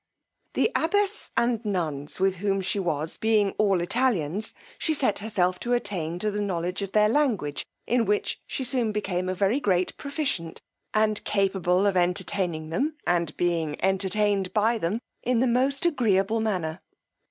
The abbess and nuns, with whom she was, being all Italians, she set herself to attain to the knowledge of their language, in which she soon became a very great proficient, and capable of entertaining them, and being entertained by them in the most agreeable manner.